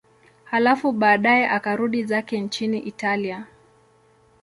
Halafu baadaye akarudi zake nchini Italia.